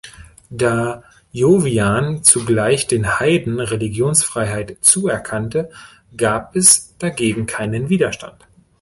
Da Jovian zugleich den Heiden Religionsfreiheit zuerkannte, gab es dagegen keinen Widerstand.